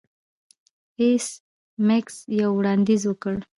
ایس میکس یو وړاندیز وکړ